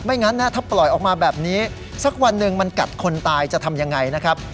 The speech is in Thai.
งั้นนะถ้าปล่อยออกมาแบบนี้สักวันหนึ่งมันกัดคนตายจะทำยังไงนะครับ